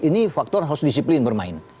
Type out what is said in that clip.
ini faktor harus disiplin bermain